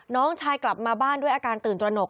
น้องชายกลับมาบ้านด้วยอาการตื่นตระหนก